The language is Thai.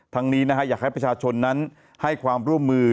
นี้อยากให้ประชาชนนั้นให้ความร่วมมือ